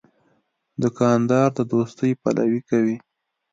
دوکاندار د دوستۍ پلوي کوي.